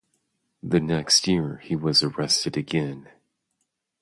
The next year he was arrested again.